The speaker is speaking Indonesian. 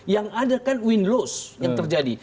yang ada kan win lows yang terjadi